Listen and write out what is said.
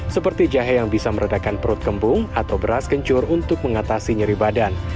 seperti jahe yang bisa meredakan perut kembung atau beras kencur untuk mengatasi nyeri badan